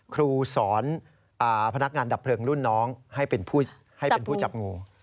ครูสอนพนักงานดับเพลิงรุ่นน้องให้เป็นผู้จับงู